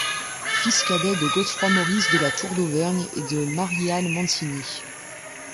Fils cadet de Godefroy-Maurice de La Tour d'Auvergne et de Marie Anne Mancini.